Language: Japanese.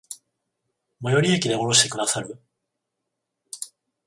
最寄駅で降ろしてくださる？